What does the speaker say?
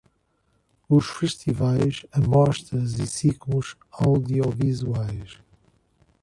Os festivais, amostras e ciclos audiovisuais.